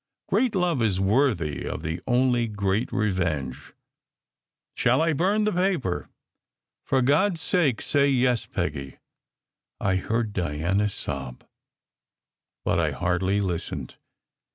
Great love is worthy of the only great revenge. Shall I burn the paper? " "For God s sake, say yes, Peggy!" I heard Diana sob. But I hardly listened.